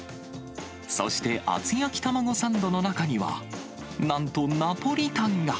そして厚焼き玉子サンドの中には、なんとナポリタンが。